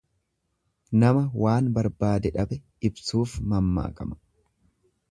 Nama waan barbaade dhabe ibsuuf mammaakama.